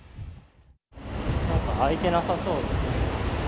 開いてなさそうですね。